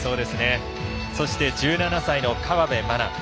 そして、１７歳の河辺愛菜。